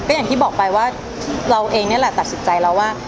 อย่างที่บอกไปว่าเราเองนี่แหละตัดสินใจแล้วว่า